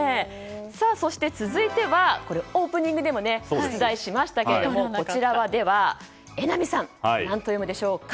そして、続いてはオープニングでお伝えしましたけれども榎並さん、何と読むでしょうか。